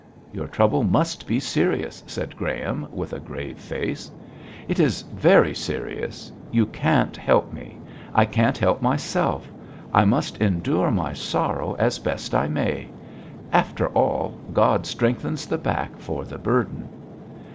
'Your trouble must be serious,' said Graham, with a grave face. 'It is very serious. You can't help me. I can't help myself. I must endure my sorrow as best I may. After all, God strengthens the back for the burden.'